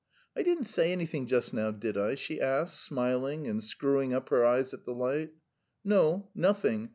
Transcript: "I didn't say anything just now, did I?" she asked, smiling and screwing up her eyes at the light. "No, nothing.